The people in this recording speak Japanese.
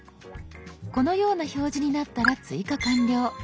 このような表示になったら追加完了。